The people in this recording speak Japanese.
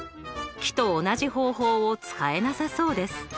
木と同じ方法を使えなさそうです。